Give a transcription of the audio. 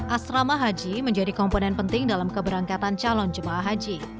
asrama haji menjadi komponen penting dalam keberangkatan calon jemaah haji